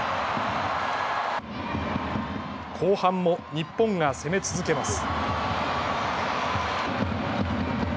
後半も日本が攻め続けます。